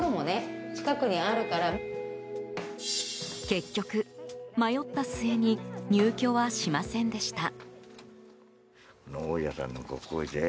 結局、迷った末に入居はしませんでした。